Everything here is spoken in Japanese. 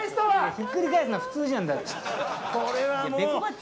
ひっくり返すのは普通じゃん。